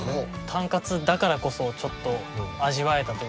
「タンカツ」だからこそちょっと味わえたというか。